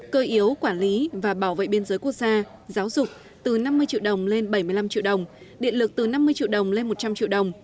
cơ yếu quản lý và bảo vệ biên giới quốc gia giáo dục từ năm mươi triệu đồng lên bảy mươi năm triệu đồng điện lực từ năm mươi triệu đồng lên một trăm linh triệu đồng